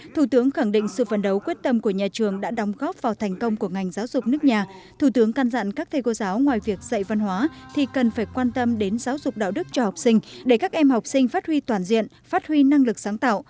thủ tướng khẳng định sự phấn đấu quyết tâm của nhà trường đã đóng góp vào thành công của ngành giáo dục nước nhà thủ tướng can dặn các thầy cô giáo ngoài việc dạy văn hóa thì cần phải quan tâm đến giáo dục đạo đức cho học sinh để các em học sinh phát huy toàn diện phát huy năng lực sáng tạo